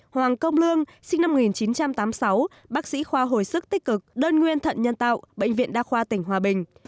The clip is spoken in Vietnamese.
hoàng công lương sinh năm một nghìn chín trăm tám mươi sáu bác sĩ khoa hồi sức tích cực đơn nguyên thận nhân tạo bệnh viện đa khoa tỉnh hòa bình